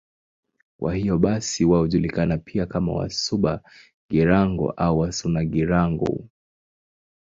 Kwa hiyo basi wao hujulikana pia kama Wasuba-Girango au Wasuna-Girango.